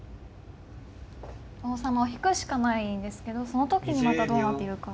王様を引くしかないですけどその時にまたどうなっているか。